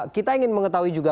kita ingin mengetahui juga